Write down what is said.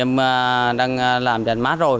em đang làm tràn mát rồi